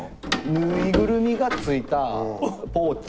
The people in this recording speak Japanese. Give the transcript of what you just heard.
縫いぐるみがついたポーチ。